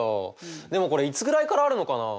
でもこれいつぐらいからあるのかな？